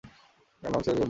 আগে নাম-ধাম-বিবরণটা বলো।